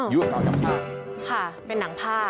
ยุคเก่าอย่างภาพค่ะเป็นหนังภาพ